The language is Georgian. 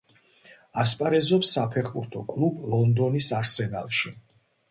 ასპარეზობს საფეხბურთო კლუბ ლონდონის „არსენალში“.